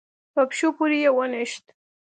په پښو پورې يې ونښت.